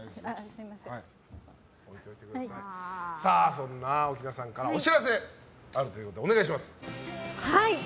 そんな奥菜さんからお知らせがあるということでお願いします。